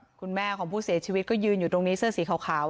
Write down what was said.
คุณแม่ของผู้เสียชีวิตก็ยืนอยู่ตรงนี้เสื้อสีขาว